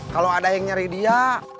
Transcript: kalau ada yang nyari dia